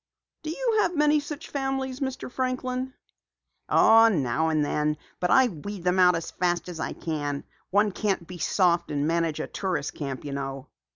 "Do you have many such families, Mr. Franklin?" "Oh, now and then. But I weed them out as fast as I can. One can't be soft and manage a tourist camp, you know."